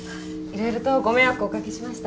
色々とご迷惑をお掛けしました。